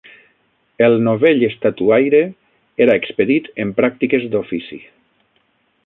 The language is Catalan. El novell estatuaire era expedit en pràctiques d'ofici